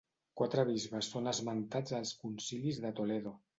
Quatre bisbes són esmentats als concilis de Toledo.